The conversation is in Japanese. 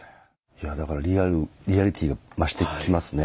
いやだからリアリティーが増してきますね。